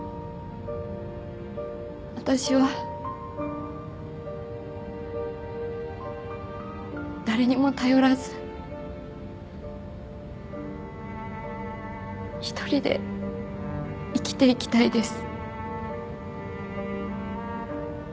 私は誰にも頼らず一人で生きていきたいです。